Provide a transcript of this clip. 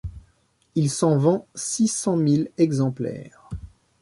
Il s'en vend six cent mille exemplaires.